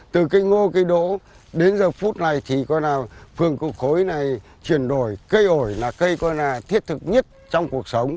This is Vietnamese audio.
từ cây ngô cây đỗ đến giờ phút này thì phương cựu khối này chuyển đổi cây ổi là cây thiết thực nhất trong cuộc sống